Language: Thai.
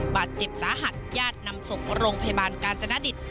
บาดเจ็บสาหัสญาตินำส่งโรงพยาบาลกาญจนดิต